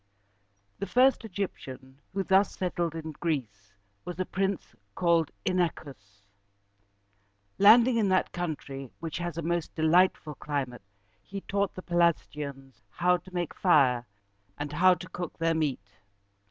The first Egyptian who thus settled in Greece was a prince called In´a chus. Landing in that country, which has a most delightful climate, he taught the Pelasgians how to make fire and how to cook their meat.